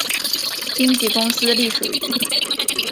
经纪公司隶属于。